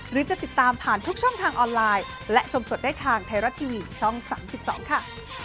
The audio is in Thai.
หรือจะติดตามผ่านทุกช่องทางออนไลน์และชมสดได้ทางไทยรัฐทีวีช่อง๓๒ค่ะ